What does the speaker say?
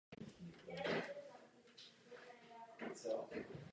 Za prvé, výzva chudoby.